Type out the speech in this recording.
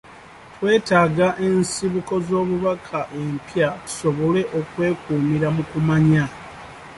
Twetaaga ensibuko z'obubaka empya tusobole okwekuumira mu kumanya.